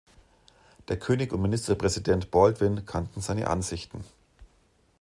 Der König und Ministerpräsident Baldwin kannten seine Ansichten.